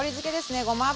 ごま油。